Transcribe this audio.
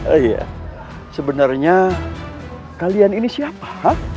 iya sebenarnya kalian ini siapa